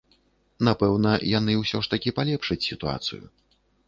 Напэўна, яны ўсё ж такі палепшаць сітуацыю.